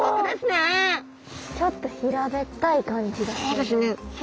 ちょっと平べったい感じがする。